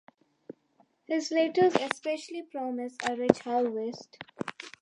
His letters, especially, promise a rich harvest.